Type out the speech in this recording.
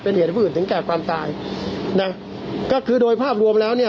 เป็นเหตุให้ผู้อื่นถึงแก่ความตายนะก็คือโดยภาพรวมแล้วเนี่ย